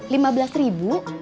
lima belas ribu